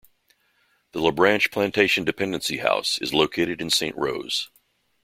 The LaBranche Plantation Dependency House is located in Saint Rose.